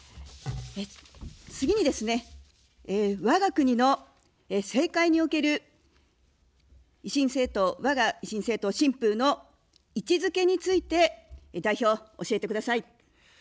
次にですね、わが国の政界における、わが維新政党・新風の位置づけについて代表、教えてください。